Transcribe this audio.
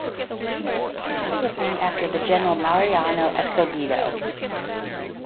The city was named after the General Mariano Escobedo.